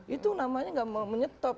itu namanya gak mau menyetop